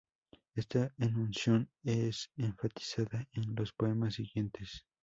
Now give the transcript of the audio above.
Esta enunciación es enfatizada en los poemas siguientes.